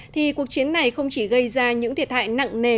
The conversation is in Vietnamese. thì cuộc chiến này không chỉ gây ra những thiệt hại nặng nề